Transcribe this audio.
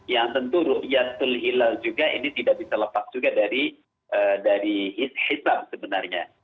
yang tentu ru'yah tul hilal juga ini tidak bisa lepak juga dari hisap sebenarnya